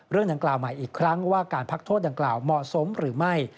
เรื่องดังกล่าวใหม่อีกครั้งว่าการพักโทษดังกล่าวเหมาะสมหรือไม่